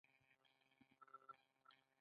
ژوره څېړنه په دې برخه کې اړینه ده.